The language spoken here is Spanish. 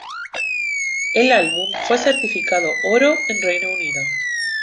El álbum fue certificado Oro en Reino Unido.